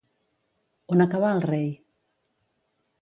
On acabà el rei?